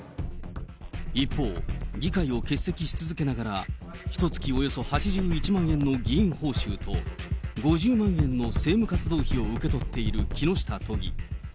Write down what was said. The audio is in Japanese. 一方、議会を欠席し続けながら、ひとつきおよそ８１万円の議員報酬と５０万円の政務活動費を受け取っている木下都議。